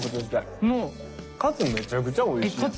カツめちゃくちゃおいしい。